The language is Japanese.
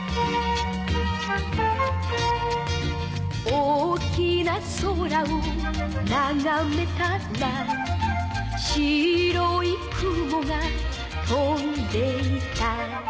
「大きな空をながめたら」「白い雲が飛んでいた」